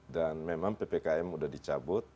dan memang ppkm sudah dicabut